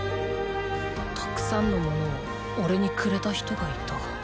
たくさんのものをおれにくれた人がいた。